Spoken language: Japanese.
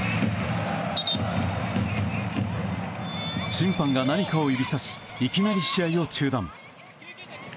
審判が何かを指さしいきなり試合を中断。